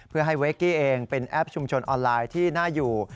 เพื่อให้เวกกี้เองเป็นแอปชุมชนออนไลน์ที่น่าอยู่